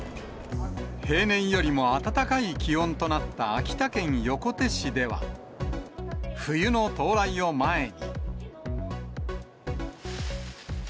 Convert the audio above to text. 平年よりも暖かい気温となった秋田県横手市では、冬の到来を前に。